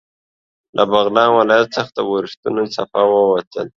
له بغلان ولایت څخه د اورښتونو څپه ووتل.